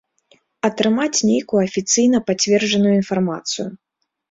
Атрымаць нейкую афіцыйна пацверджаную інфармацыю.